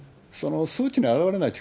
その数値に現れない力。